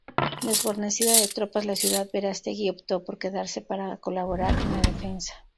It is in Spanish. Desguarnecida de tropas la ciudad, Verástegui optó por quedarse para colaborar en la defensa.